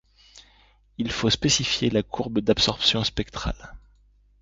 Il faut spécifier la courbe d'absorption spectrale.